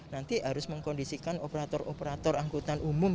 nanti harus mengkondisikan operator operator angkutan umum